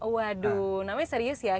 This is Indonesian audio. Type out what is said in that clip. waduh namanya serius ya